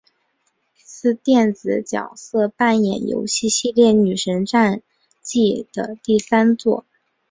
是电子角色扮演游戏系列女神战记的第三作。